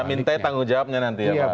minta tanggung jawabnya nanti ya pak